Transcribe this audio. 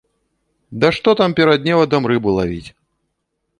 Да што там перад невадам рыбу лавіць!